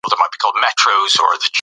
په کار کې امانتداري شرط ده.